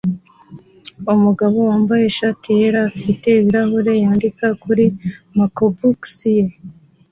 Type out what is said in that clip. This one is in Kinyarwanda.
Umugabo wambaye ishati yera ifite ibirahure yandika kuri MacBook ye